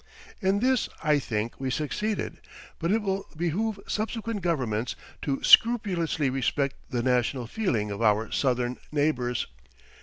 In this I think we succeeded, but it will behoove subsequent governments to scrupulously respect the national feeling of our Southern neighbors.